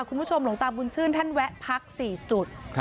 คุณผู้ชมหลวงตาบุญชื่นท่านแวะพัก๔จุด